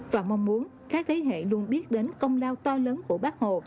và mong muốn các thế hệ luôn biết đến công lao to lớn của bác hồ